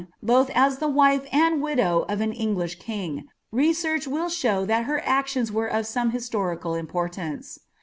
ImiiH an the wife and widuw of on English king, research inll ■how thai her actions were of some hisloricnl imporianee.